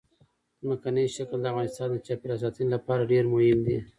ځمکنی شکل د افغانستان د چاپیریال ساتنې لپاره ډېر مهم دي.